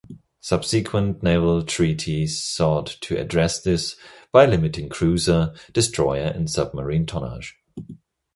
Subsequent naval treaties sought to address this, by limiting cruiser, destroyer and submarine tonnage.